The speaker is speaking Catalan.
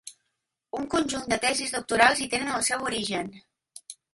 Un conjunt de tesis doctorals hi tenen el seu origen.